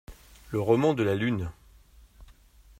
Le roman de la Lune